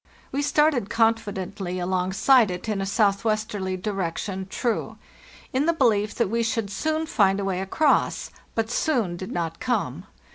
We started confidently alongside it in a_ southwesterly direction (true), in the belief that we should soon find a way across; but 'soon' did not come.